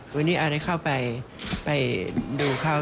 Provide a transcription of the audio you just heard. วันนี้อาได้เข้าไปไปดูเขา